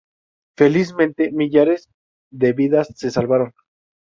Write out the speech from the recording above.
Felizmente millares de vidas se salvaron.